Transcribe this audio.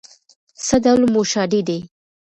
څه ډول موشادې دي؟